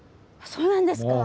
そうなんですか。